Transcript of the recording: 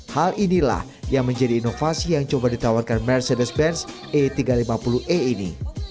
hal inilah yang menjadi inovasi yang coba ditawarkan mercedes benz e tiga ratus lima puluh e ini